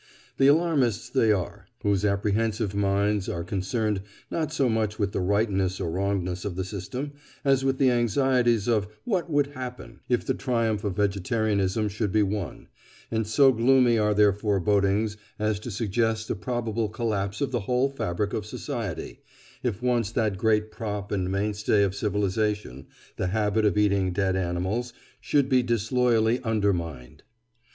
The alarmists they are, whose apprehensive minds are concerned not so much with the rightness or wrongness of the system, as with the anxieties of "what would happen" if the triumph of vegetarianism should be won; and so gloomy are their forebodings as to suggest a probable collapse of the whole fabric of society, if once that great prop and mainstay of civilisation—the habit of eating dead animals—should be disloyally undermined.